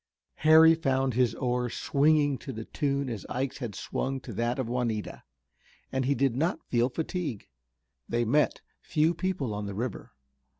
Harry found his oar swinging to the tune as Ike's had swung to that of Juanita, and he did not feel fatigue. They met few people upon the river.